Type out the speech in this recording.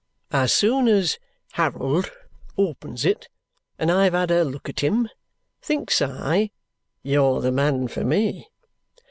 As soon as Harold opens it and I have had a look at him, thinks I, you're the man for me.